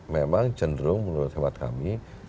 memang cenderung menurut hemat kami